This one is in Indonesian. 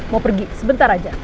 mau pergi sebentar aja